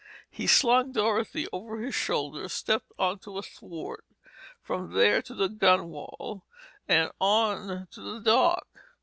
He slung Dorothy over his shoulder, stepped onto a thwart, from there to the gunwale and on to the dock.